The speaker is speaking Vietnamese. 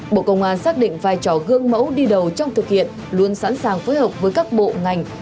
bộ công an xác định vai trò gương mẫu đi đầu trong thực hiện luôn sẵn sàng phối hợp với các bộ ngành